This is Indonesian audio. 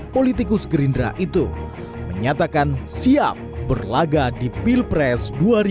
politikus gerindra itu menyatakan siap berlaga di pilpres dua ribu dua puluh